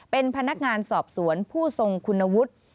เป็นพนักงานสอบสวนผู้ทรงคุณวุฒิ